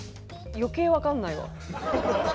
余計わかんないわ。